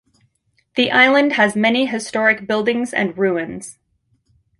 The island has many historic buildings and ruins.